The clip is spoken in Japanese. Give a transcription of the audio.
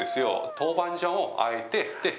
豆板醤をあえて。